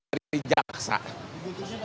dibuntur sih pak t d tapi kasih tahu